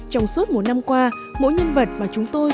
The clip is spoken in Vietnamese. trong suốt một năm qua mỗi nhân vật mà chúng tôi